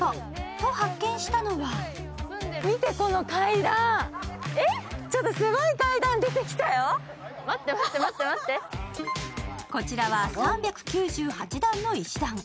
と、発見したのはこちらは３９８段の石段。